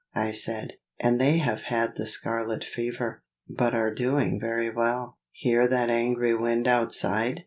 I said, "and they have had the scarlet fever, but are doing very well. Hear that angry Wind outside!